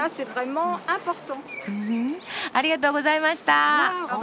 ふふんありがとうございました。